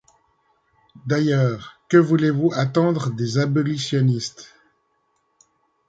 D’ailleurs, que voulez-vous attendre des abolitionnistes ?